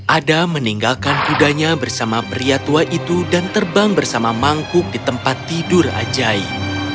adam meninggalkan kudanya bersama pria tua itu dan terbang bersama mangkuk di tempat tidur ajai